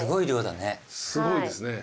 すごいですね。